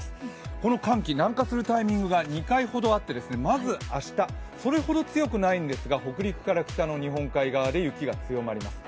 この寒気、南下するタイミングが２回ほどあってまず明日、それほど強くないんですが、北陸から北の日本海側で雪が強まります。